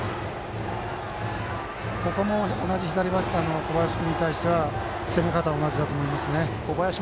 ここも、同じ左バッターの小林君に対しては攻め方は同じだと思いますね。